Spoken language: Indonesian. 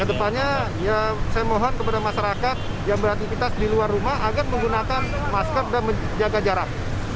kedepannya saya mohon kepada masyarakat yang beraktivitas di luar rumah agar menggunakan masker dan menjaga jarak